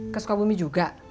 kasih kabumi juga